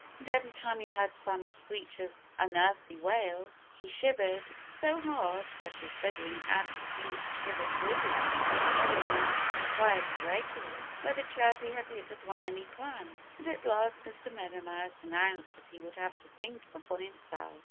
And every time he heard Simon Screecher's unearthly wail he shivered so hard that his fiddling actually seemed to shiver too. Mr. Meadow Mouse inquired regularly whether Chirpy had hit upon any plan. And at last Mr. Meadow Mouse announced that he would have to think of one himself.